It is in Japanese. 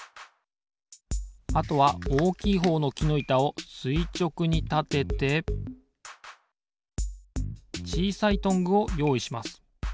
あとはおおきいほうのきのいたをすいちょくにたててちいさいトングをよういします。